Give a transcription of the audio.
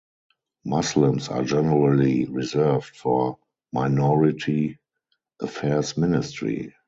Muslims are generally reserved for minority affairs ministry.